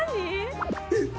えっ！